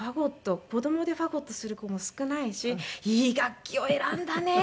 子供でファゴットする子も少ないし「いい楽器を選んだね」っていうふうに。